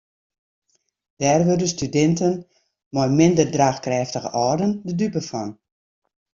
Dêr wurde studinten mei minder draachkrêftige âlden de dupe fan.